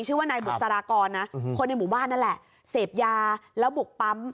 ชื่อว่านายบุษรากรนะคนในหมู่บ้านนั่นแหละเสพยาแล้วบุกปั๊ม